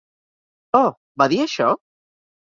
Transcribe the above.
Oh, va dir això?